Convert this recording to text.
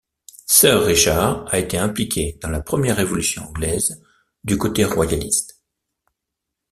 Sir Richard a été impliqué dans la Première révolution anglaise du côté royaliste.